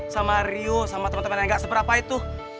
sama rio sama teman teman yang gak seberapa itu